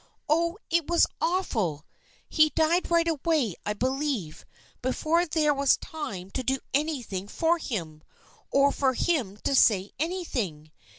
Oh, it was awful ! He died right away I believe, before there was time to do anything for him, or for him to say anything.